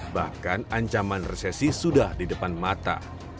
bahkan ancaman resesi sudah di depan mata